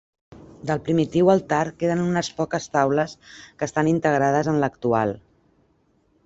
Del primitiu altar queden unes poques taules que estan integrades en l'actual.